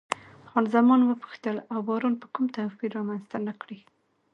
خان زمان وپوښتل، او باران به کوم توپیر رامنځته نه کړي؟